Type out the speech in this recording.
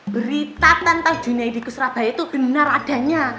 berita tentang dunia idikus rabai itu benar adanya